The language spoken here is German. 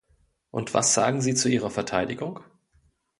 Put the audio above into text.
Und was sagen Sie zu ihrer Verteidigung?